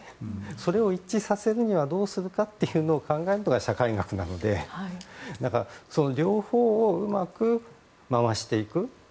それを一致させるにはどうするかを考えるのが社会学なのでその両方をうまく回していく。